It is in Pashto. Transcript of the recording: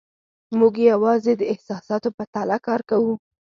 موږ یوازې د احساساتو په تله کار کوو.